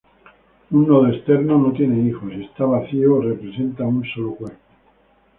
Un nodo externo no tiene hijos, y está vacío o representa un solo cuerpo.